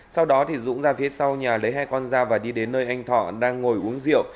sau đó dũng ra phía sau nhà lấy hai con dao và đi đến nơi anh thọ đang ngồi uống rượu